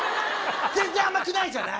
全然あまくないじゃない！